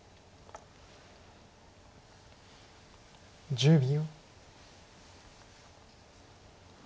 １０秒。